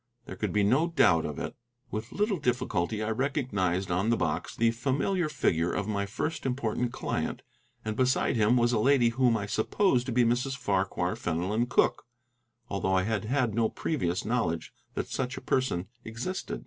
There could be no doubt of it. With little difficulty I recognized on the box the familiar figure of my first important client, and beside him was a lady whom I supposed to be Mrs. Farquhar Fenelon Cooke, although I had had no previous knowledge that such a person existed.